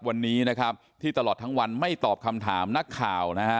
วันนี้นะครับที่ตลอดทั้งวันไม่ตอบคำถามนักข่าวนะฮะ